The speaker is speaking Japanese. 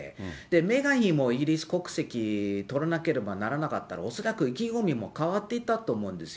メーガン妃もイギリス国籍取らなければならなかった、恐らく意気込みも変わっていたと思うんですよ。